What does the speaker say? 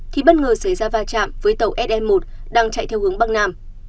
thì bất ngờ xảy ra va chạm với tàu se một đang chạy theo hướng bắc nam